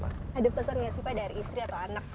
ada pesan nggak sih pak dari istri atau anak